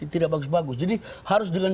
tidak bagus bagus jadi harus dengan